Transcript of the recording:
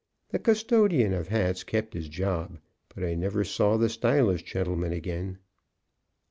The custodian of hats kept his job, but I never saw the stylish gentleman again.